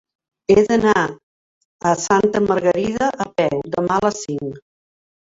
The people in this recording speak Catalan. He d'anar a Santa Margalida a peu demà a les cinc.